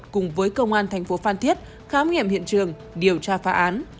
cùng với công an thành phố phan thiết khám nghiệm hiện trường điều tra phá án